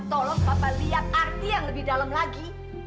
tolong bapak lihat arti yang lebih dalam lagi